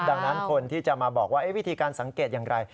ดังนั้นคนที่จะมาบอกว่าวิธีการสังเกตอย่างไร